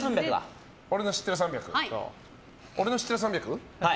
俺の知ってる３００は。